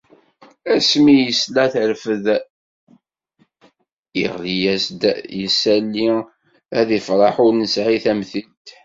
Asmi i yesla terfed, yeɣli-as-d yisalli-a d lferḥ ur nesɛi tamtilt.